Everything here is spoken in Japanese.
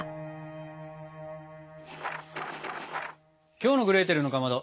きょうの「グレーテルのかまど」